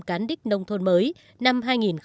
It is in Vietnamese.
cán đích nông thôn mới năm hai nghìn một mươi